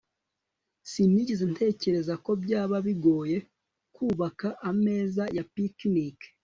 sinigeze ntekereza ko byaba bigoye kubaka ameza ya picnic